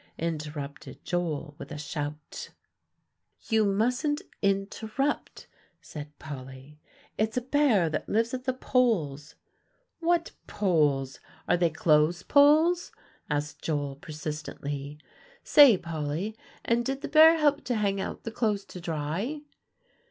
interrupted Joel, with a shout. [Illustration: The mince pie boy and the beasts.] "You mustn't interrupt," said Polly; "it's a bear that lives at the Poles." "What Poles? Are they clothes poles?" asked Joel persistently. "Say, Polly; and did the bear help to hang out the clothes to dry?"